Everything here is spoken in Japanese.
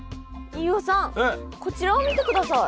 飯尾さんこちらを見てください。